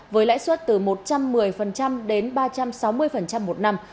với lãi suất từ một trăm một mươi đến ba trăm sáu mươi một năm